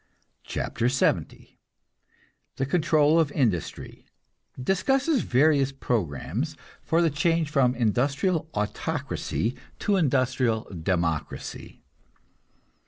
CHAPTER LXX THE CONTROL OF INDUSTRY (Discusses various programs for the change from industrial autocracy to industrial democracy.)